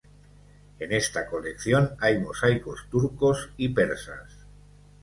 En esta colección hay mosaicos turcos y persas.